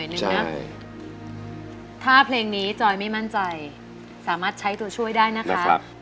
ใบนะคะพลิดแสดงได้นะนะครับในวิวในบริษัทใบมาดีนะตัว